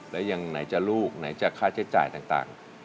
แล้วยังไหนจะลูกไหนจะค่าใช้จ่ายต่าง